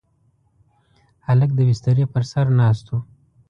هلک د بسترې پر سر ناست و.